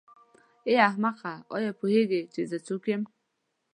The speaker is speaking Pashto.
ای احمقه آیا پوهېږې چې زه څوک یم.